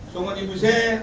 semua ibu saya